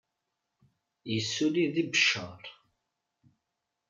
Yessulli deg Beccaṛ.